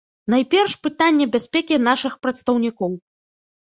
Найперш, пытанне бяспекі нашых прадстаўнікоў.